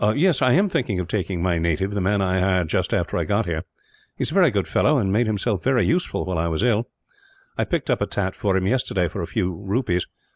"Yes, I am thinking of taking my native, the man I hired just after I got here. He is a very good fellow, and made himself very useful, while I was ill. I picked up a tat for him, yesterday, for a few rupees.